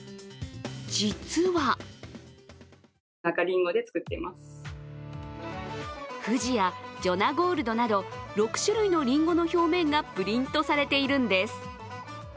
実はふじやジョナゴールドなど６種類のりんごの表面がプリントされているんです。